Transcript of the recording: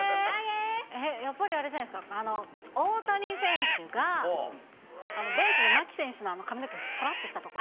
やっぱりあれじゃないですか、大谷選手がベンチの牧選手の髪の毛をさらっとしたところ。